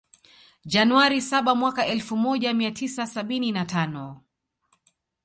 Januari saba Mwaka elfu moja mia tisa sabini na tano